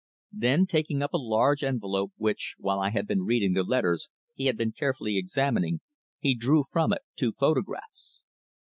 Then taking up a large envelope which, while I had been reading the letters, he had been carefully examining, he drew from it two photographs.